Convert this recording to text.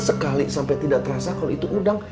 sekali sampai tidak terasa kalau itu udang